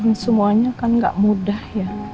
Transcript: ini semuanya kan gak mudah ya